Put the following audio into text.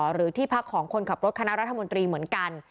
หรือที่พักของคนขับรถคณะรัฐมนตรีเหมือนกัน